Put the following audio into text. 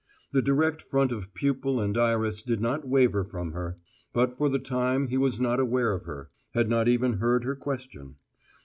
The direct front of pupil and iris did not waver from her; but for the time he was not aware of her; had not even heard her question.